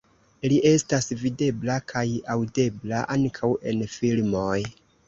Li estas videbla kaj aŭdebla ankaŭ en filmoj.